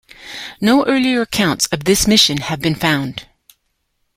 No earlier accounts of this mission have been found.